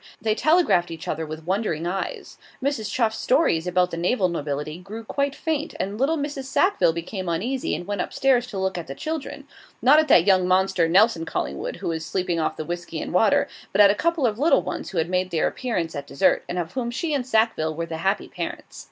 They telegraphed each other with wondering eyes. Mrs. Chuff's stories about the naval nobility grew quite faint and kind little Mrs. Sackville became uneasy, and went upstairs to look at the children not at that young monster, Nelson Collingwood, who was sleeping off the whisky and water but at a couple of little ones who had made their appearance at dessert, and of whom she and Sackville were the happy parents.